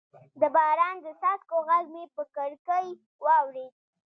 د باران د څاڅکو غږ مې پر کړکۍ واورېد.